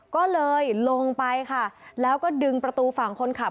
ก็เลยลงไปค่ะแล้วก็ดึงประตูฝั่งคนขับ